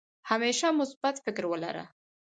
همېشه مثبت فکر ولره